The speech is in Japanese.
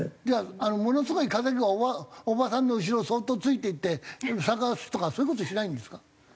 じゃあものすごい稼ぐおばさんの後ろそっとついていって探すとかそういう事しないんですか？